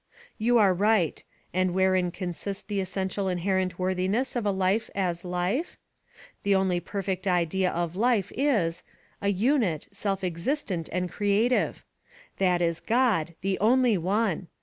"You are right. And wherein consists the essential inherent worthiness of a life as life? The only perfect idea of life is a unit, self existent, and creative. That is God, the only one.